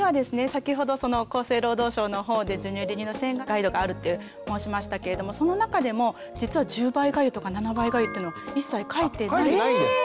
先ほど厚生労働省のほうで「授乳・離乳の支援ガイド」があるって申しましたけれどもその中でも実は１０倍がゆとか７倍がゆというのは一切書いてない。